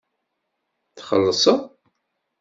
Tlexseḍ.